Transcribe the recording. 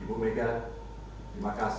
ibu mega terima kasih